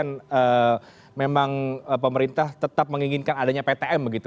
mengapa kemudian memang pemerintah tetap menginginkan adanya ptm gitu